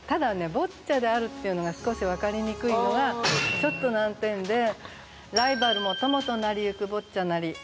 ボッチャであるっていうのが少し分かりにくいのがちょっと難点で「ライバルも友となりゆくボッチャなり」。